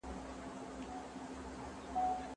سافټویر انجنیري محصلینو ته نوي نړۍ ښيي.